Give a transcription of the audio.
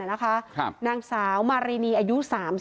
นางสาวมารีนีอายุ๓๒